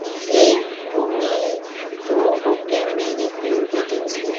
হেই, তুমি তো ওকে মেরে ফেলবে দেখছি।